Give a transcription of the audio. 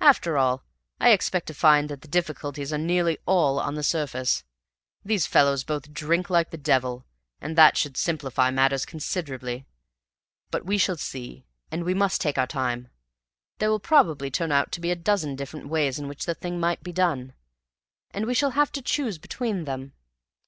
After all I expect to find that the difficulties are nearly all on the surface. These fellows both drink like the devil, and that should simplify matters considerably. But we shall see, and we must take our time. There will probably turn out to be a dozen different ways in which the thing might be done, and we shall have to choose between them.